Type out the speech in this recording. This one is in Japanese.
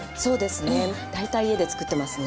大体家で作ってますね。